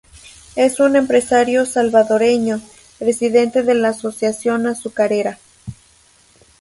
Es un empresario salvadoreño, presidente de la Asociación Azucarera.